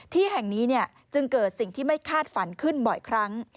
ที่แห่งนี้จึงเกิดสิ่งที่ไม่คาดฝันขึ้นบ่อยครั้ง